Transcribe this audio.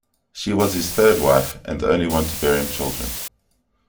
She was his third wife and the only one to bear him children.